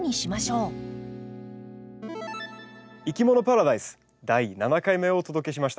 「いきものパラダイス」第７回目をお届けしました。